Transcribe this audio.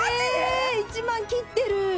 １万切ってる！